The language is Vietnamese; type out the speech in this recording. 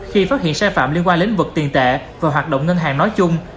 khi phát hiện sai phạm liên quan đến lĩnh vực tiền tệ và hoạt động ngân hàng nói chung